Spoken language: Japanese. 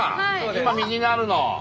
今右にあるの。